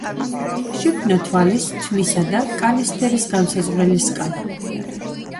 შექმნა თვალის, თმისა და კანის ფერის განმსაზღვრელი სკალა.